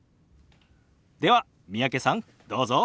では三宅さんどうぞ。